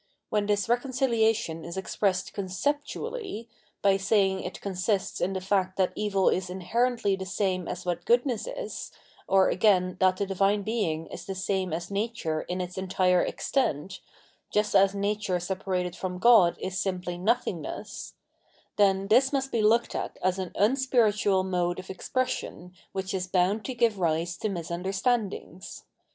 When this reconciliation is expressed conceptu ally, by saying it consists in the fact that evil is inherently the same as what goodness is, or again that the Divine Being is the same as nature in its entire extent, just as nature separated from God is simply nothingness, — then this must be looked at as an un spiritual mode of expression which is bound to give rise to misunderstandings.